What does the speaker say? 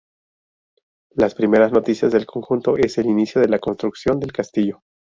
Las primeras noticias del conjunto es el inicio de la construcción del castillo.